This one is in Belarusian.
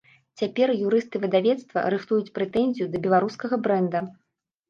Цяпер юрысты выдавецтва рыхтуюць прэтэнзію да беларускага брэнда.